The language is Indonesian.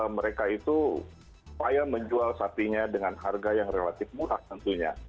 mereka itu supaya menjual sapinya dengan harga yang relatif murah tentunya